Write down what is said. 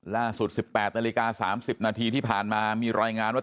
๑๘นาฬิกา๓๐นาทีที่ผ่านมามีรายงานว่า